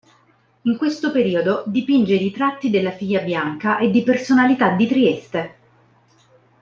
In questo periodo dipinge i ritratti della figlia Bianca, e di personalità di Trieste.